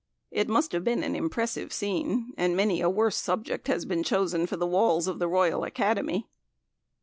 It must have been an impressive scene, and many a worse subject has been chosen for the walls of the Royal Academy.